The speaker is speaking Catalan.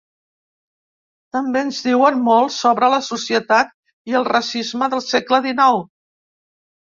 També ens diuen molt sobre la societat i el racisme del segle dinou.